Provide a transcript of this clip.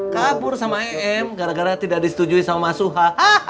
kabur sama em gara gara tidak disetujui sama mas suha